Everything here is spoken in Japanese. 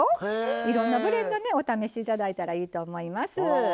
いろんなブレンドをお試しいただいたらと思います。